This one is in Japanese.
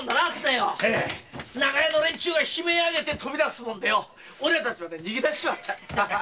長屋の連中が悲鳴をあげてとび出すもんでよおれたちまで逃げ出しちまった。